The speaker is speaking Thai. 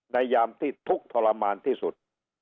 ยามที่ทุกข์ทรมานที่สุด